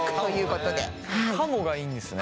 「かも」がいいんですね？